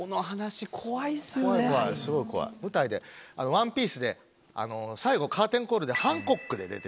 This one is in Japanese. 怖い怖いスゴい怖い舞台で『ワンピース』で最後カーテンコールでハンコックで出てて。